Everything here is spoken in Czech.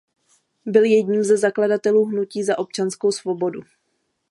Byl jedním ze zakladatelů Hnutí za občanskou svobodu.